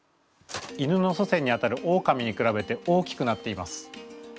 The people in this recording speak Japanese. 犬の祖先にあたるオオカミにくらべて大きくなっています。